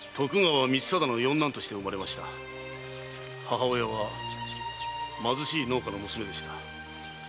母親は貧しい農家の娘でした。